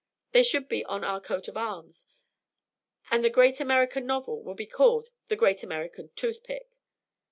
They should be on our coat of arms, and the Great American Novel will be called 'The Great American Toothpick.'